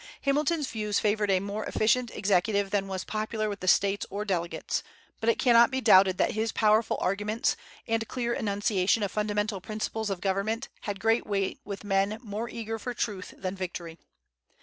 Hamilton's views favored a more efficient executive than was popular with the States or delegates; but it cannot be doubted that his powerful arguments, and clear enunciation of fundamental principles of government had great weight with men more eager for truth than victory.